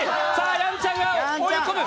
やんちゃんが追い込む！